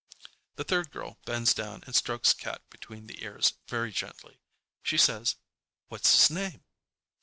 The third girl bends down and strokes Cat between the ears very gently. She says, "What's his name?"